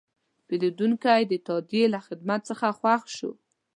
پیرودونکی د تادیې له خدمت څخه خوښ شو.